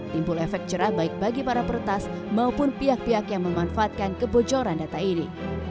timbul efek cerah baik bagi para peretas maupun pihak pihak yang memanfaatkan kebocoran data ini